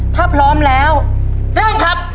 ถ้าพร้อมแล้วเริ่มครับ